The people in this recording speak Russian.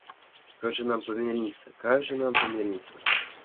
Как же нам помириться, как же нам помириться?